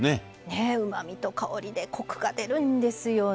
ねっうまみと香りでコクが出るんですよね。